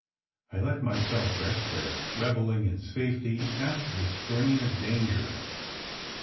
I let myself rest there, revelling in safety after the strain of danger.